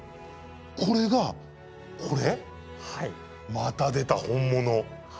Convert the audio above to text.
また出た本物。